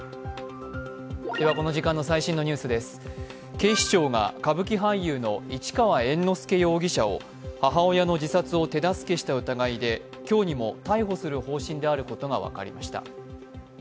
警視庁が歌舞伎俳優の市川猿之助容疑者を母親の自殺を手助けした疑いで今日にも逮捕する方針であることが分かりました。